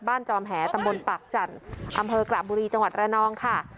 จอมแหตำบลปากจันทร์อำเภอกระบุรีจังหวัดระนองค่ะ